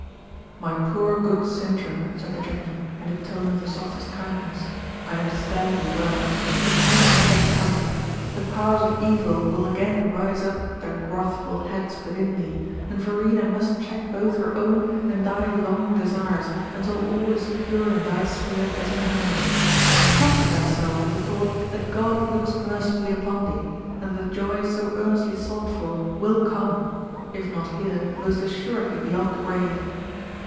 "My poor, good Sintram," said the chaplain, in a tone of the softest kindness, "I understand thee well; but the time is not yet come. The powers of evil will again raise up their wrathful heads within thee, and Verena must check both her own and thy longing desires, until all is pure in thy spirit as in hers. Comfort thyself with the thought that God looks mercifully upon thee, and that the joy so earnestly sought for will come if not here, most assuredly beyond the grave."